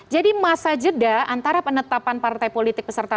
jadi masa jeda antara penetapan partai politik peserta